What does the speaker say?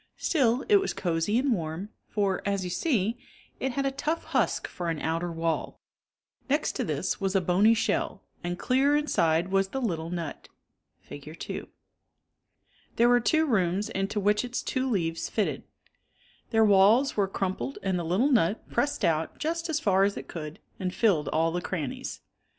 Still it was cosy and warm for, as you see, it had a tough husk for an outer wall ; next to this was a bony shell, and clear inside was the little nut (Fig. 2). ^ Thereweretwo rooms into which its two leaves fitted. Their walls were crumpled and the little nut press ed out just as far as it could and filled all the crannies.